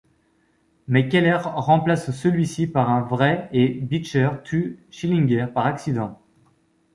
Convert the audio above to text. Mais Keller remplace celui-ci par un vrai et Beecher tue Schillinger par accident.